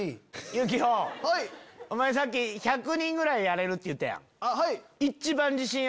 ユキホさっき１００人ぐらいやれるって言うたやん。